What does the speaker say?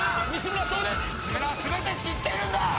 西村は全て知っているんだ！